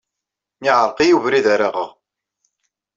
Yeɛreq-iyi webrid ara aɣeɣ.